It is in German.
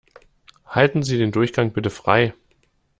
Halten Sie den Durchgang bitte frei!